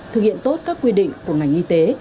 thực hiện tốt các quy định của ngành y tế